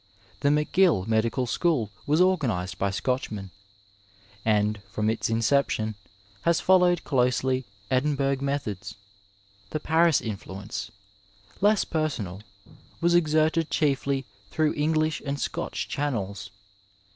The McGill Medical School was organized by Scotchmen, and from its inception has followed closely Edinburgh methods. The Paris influence, less personal, was exerted chiefly through English and Scotch channels.